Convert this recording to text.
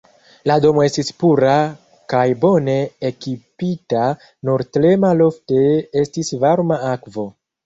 La domo estis pura kaj bone ekipita, nur tre malofte estis varma akvo.